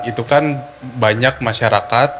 itu kan banyak masyarakat